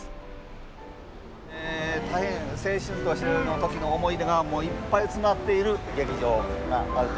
大変青春としてた時の思い出がもういっぱい詰まっている劇場があると。